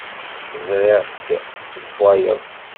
Ẓriɣ-k tessewwayeḍ.